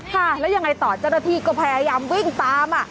ค่ะแล้วยังไงต่อเจ้าหน้าที่ก็พยายามวิ่งตาม